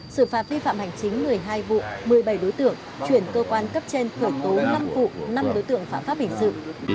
xử phạt vi phạm hành chính một mươi hai vụ một mươi bảy đối tượng chuyển cơ quan cấp trên khởi tố năm vụ năm đối tượng phạm pháp hình sự